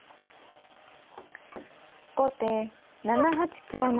後手７八香成。